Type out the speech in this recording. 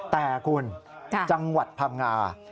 แต่คุณจังหวัดพังงา